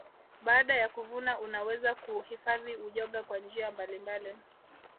Baada ya kuvuna unaweza kuuhifadhi uyoga kwa njia mbalimbali